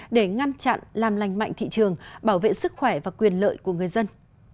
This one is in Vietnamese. để ngăn chặn làm lành mạnh thị trường bảo vệ sức khỏe và quyền lợi của người dân